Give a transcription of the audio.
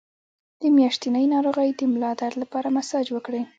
د میاشتنۍ ناروغۍ د ملا درد لپاره مساج وکړئ